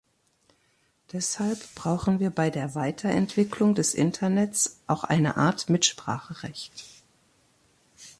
Deshalb brauchen wir bei der Weiterentwicklung des Internets auch eine Art Mitspracherecht.